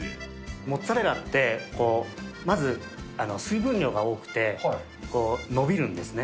モッツァレラって、まず水分量が多くて、のびるんですね。